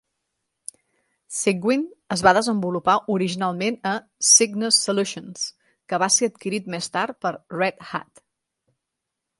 Cygwin es va desenvolupar originalment a Cygnus Solutions, que va ser adquirit més tard per Red Hat.